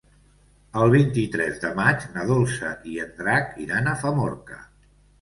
El vint-i-tres de maig na Dolça i en Drac iran a Famorca.